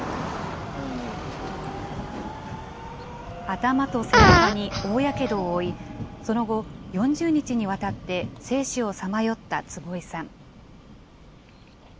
頭と背中に大やけどを負い、その後、４０日にわたって生死をさまよった坪井さん。